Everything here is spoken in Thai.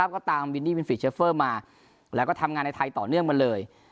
ก็ตามวินดี้วินฟีดเชฟเฟอร์มาแล้วก็ทำงานในไทยต่อเนื่องมาเลย